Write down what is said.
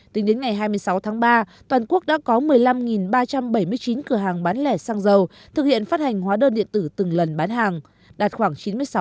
tính đến ngày hai mươi sáu tháng ba toàn quốc đã có một mươi năm ba trăm bảy mươi chín cửa hàng bán lẻ xăng dầu thực hiện phát hành hóa đơn điện tử từng lần bán hàng đạt khoảng chín mươi sáu